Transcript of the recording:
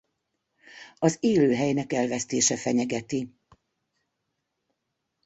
Az élőhelynek elvesztése fenyegeti.